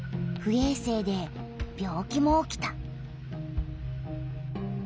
えい生で病気も起きた。